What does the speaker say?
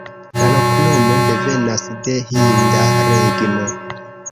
La loknomo devenas de hinda regno.